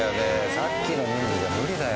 さっきの人数じゃ無理だよ。